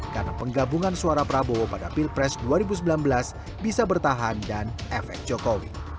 karena penggabungan suara prabowo pada pilpres dua ribu sembilan belas bisa bertahan dan efek jokowi